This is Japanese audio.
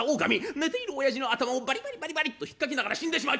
寝ているおやじの頭をバリバリバリバリッとひっかきながら死んでしまう。